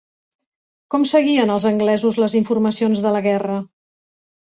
Com seguien els anglesos les informacions de la guerra?